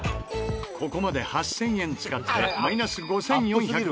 ここまで８０００円使ってマイナス５４５０円と超マイナス。